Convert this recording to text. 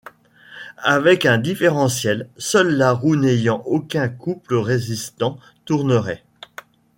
Avec un différentiel, seule la roue n'ayant aucun couple résistant tournerait.